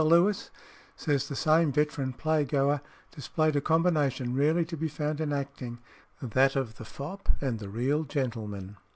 Lewis," says the same veteran play goer, "displayed a combination rarely to be found in acting that of the fop and the real gentleman.